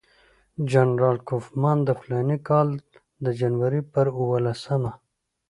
جنرال کوفمان د فلاني کال د جنوري پر اووه لسمه.